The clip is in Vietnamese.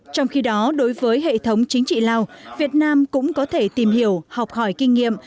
trong khi đó đối với hệ thống chính trị lào việt nam cũng có thể tìm hiểu học hỏi kinh nghiệm